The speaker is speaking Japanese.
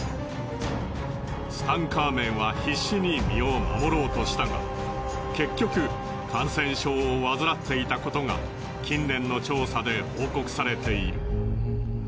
ツタンカーメンは必死に身を守ろうとしたが結局感染症を患っていたことが近年の調査で報告されている。